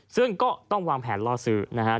ซึ่งก็ต้องวางแผนล่อสื่อนะฮะ